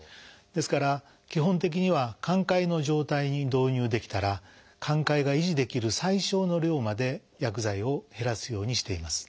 ですから基本的には寛解の状態に導入できたら寛解が維持できる最少の量まで薬剤を減らすようにしています。